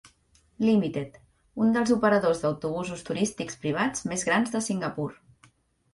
Limited, un dels operadors d'autobusos turístics privats més grans de Singapur.